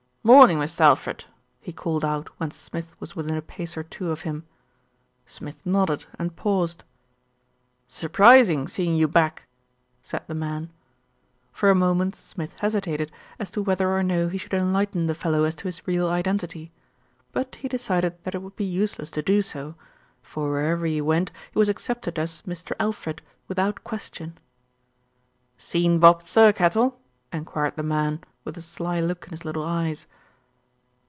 "Morning, Mist' Alfred," he called out when Smith was within a pace or two of him. Smith nodded and paused. "Surprising seeing you back," said the man. For a moment Smith hesitated as to whether or no he should enlighten the fellow as to his real identity; but he decided that it would be useless to do so; for wherever he went he was accepted as "Mr. Alfred" without question. "Seen Bob Thirkettle?" enquired the man with a sly look in his little eyes.